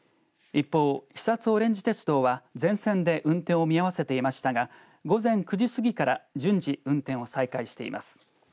一方、肥薩おれんじ鉄道は全線で運転を見合わせていましたが午前９時過ぎから順次運転を再開しています。